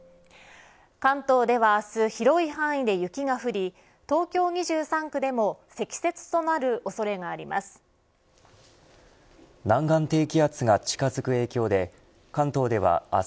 関東では明日広い範囲で雪が降り東京２３区でも積雪となる恐れがあります。